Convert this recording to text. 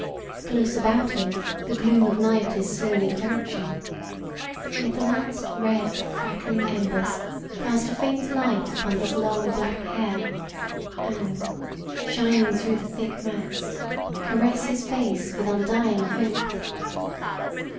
Close about him the gloom of night is slowly crouching. Yet the last red, crackling embers cast a faint light upon his long black hair, and, shining through the thick mats, caress his wan face with undying hope.